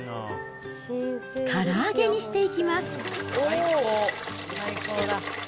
から揚げにしていきます。